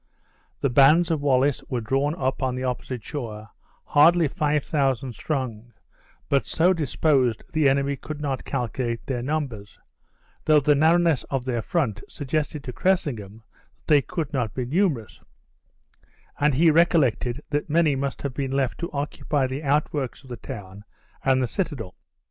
The bands of Wallace were drawn up on the opposite shore, hardly five thousand strong, but so disposed the enemy could not calculate their numbers, though the narrowness of their front suggested to Cressingham that they could not be numerous; and he recollected that many must have been left to occupy the outworks of the town and the citadel.